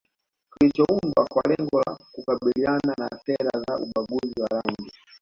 kilichoundwa kwa lengo la kukabiliana na sera za ubaguzi wa rangi